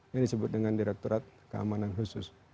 yang disebut dengan direkturat keamanan khusus